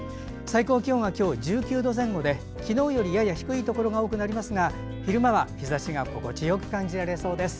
最高気温は今日１９度前後で昨日よりやや低いところが多くなりますが昼間は日ざしが心地よく感じられそうです。